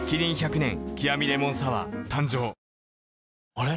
あれ？